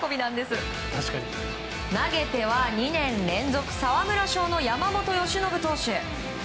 投げては２年連続沢村賞の山本由伸投手。